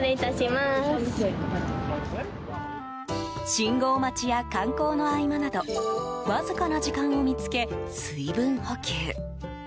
信号待ちや観光の合間などわずかな時間を見つけ水分補給。